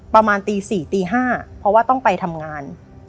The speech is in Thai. ประมาณตี๔ตี๕เพราะว่าต้องไปทำงาน